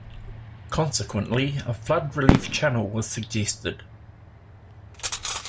Consequently, a flood relief channel was suggested.